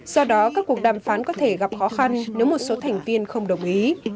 do đó các cuộc đàm phán có thể gặp khó khăn nếu một số thành viên không đồng ý